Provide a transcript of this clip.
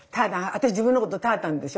私自分のこと「たーたん」でしょう？